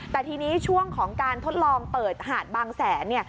แต่ทีนี้ช่วงของการทดลองเปิดหาดบางแสนเนี่ย